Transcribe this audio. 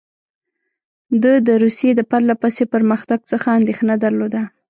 ده د روسیې د پرله پسې پرمختګ څخه اندېښنه درلوده.